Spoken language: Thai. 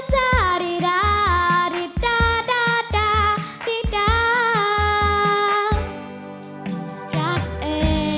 แก้มรักทุกคนนะคะ